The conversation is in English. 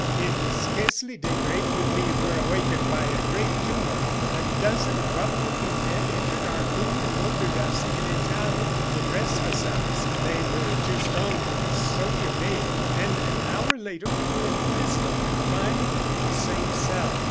"It was scarcely daybreak when we were awakened by a great tumult. A dozen rough looking men entered our room, and ordered us, in Italian, to dress ourselves. They were too strong for us, so we obeyed; and an hour later we were in prison, confined in the same cell.